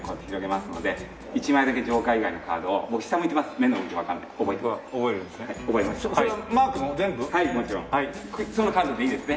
そのカードでいいですね？